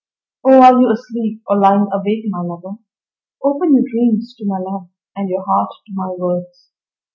Oh are you asleep, or lying awake, my lover? Open your dreams to my love and your heart to my words.